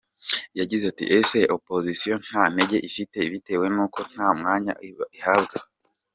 Yagize ati “Ese opozisiyo nta ntege ifite bitewe n’uko nta mwanya ihabwa ?